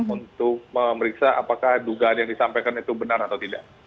untuk memeriksa apakah dugaan yang disampaikan itu benar atau tidak